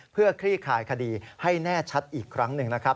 เพื่อคลี่คลายคดีให้แน่ชัดอีกครั้งหนึ่งนะครับ